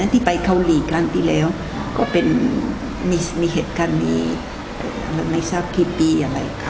ที่ไปเกาหลีกลางทีแล้วก็มีเหตุการณ์ไม่ทราบกี่ปีอะไร